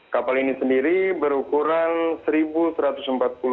kapal ini sendiri berukuran seribu satu ratus empat puluh